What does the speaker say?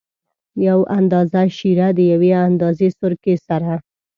یو اندازه شېره د یوې اندازه سرکې سره.